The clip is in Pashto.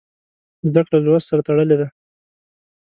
زده کړه له لوست سره تړلې ده.